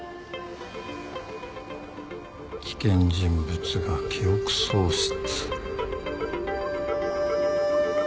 危険人物が記憶喪失。